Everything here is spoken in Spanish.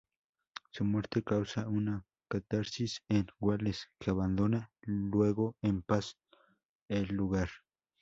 Su muerte causa una catarsis en Wales, que abandona luego en paz el lugar.